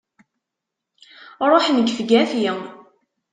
Ruḥen gefgafi!